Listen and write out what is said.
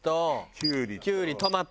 キュウリトマト。